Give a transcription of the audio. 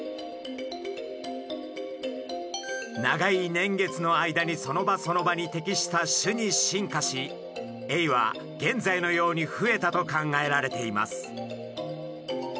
長い年月の間にその場その場に適した種に進化しエイは現在のように増えたと考えられています。